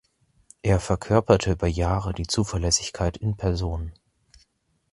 Er verkörperte über Jahre die Zuverlässigkeit in Person.